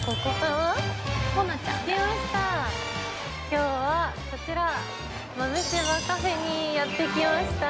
今日はこちら豆柴カフェにやって来ました。